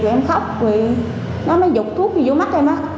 rồi em khóc rồi nó mới dục thuốc vô mắt em á